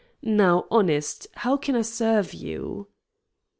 Now, honest, how can I serve you?"